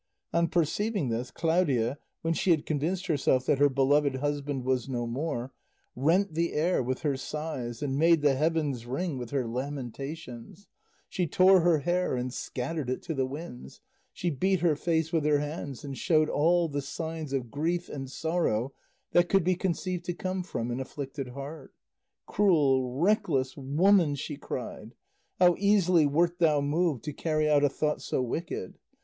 On perceiving this, Claudia, when she had convinced herself that her beloved husband was no more, rent the air with her sighs and made the heavens ring with her lamentations; she tore her hair and scattered it to the winds, she beat her face with her hands and showed all the signs of grief and sorrow that could be conceived to come from an afflicted heart. "Cruel, reckless woman!" she cried, "how easily wert thou moved to carry out a thought so wicked!